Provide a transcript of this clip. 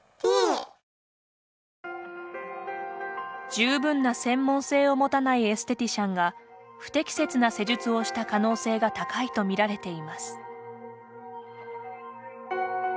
十分な専門性を持たないエステティシャンが不適切な施術をした可能性が高いとみられています。